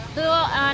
tadi pesan apa